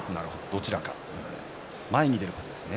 どちらか前に出ることですね。